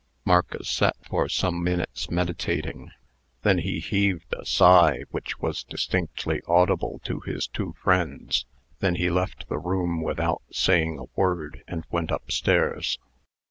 Marcus sat for some minutes meditating. Then he heaved a sigh, which was distinctly audible to his two friends. Then he left the room without saying a word, and went up stairs.